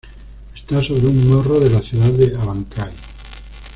Está sobre un morro de la ciudad de Abancay.